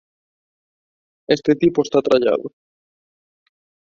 Este tipo está trallado.